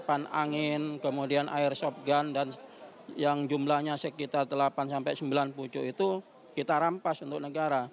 angin kemudian air soft gun dan yang jumlahnya sekitar delapan sampai sembilan pucuk itu kita rampas untuk negara